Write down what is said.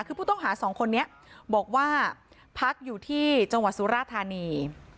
คือผู้ต้องหาสองคนนี้บอกว่าพักอยู่ที่จังหวัดสุราธานี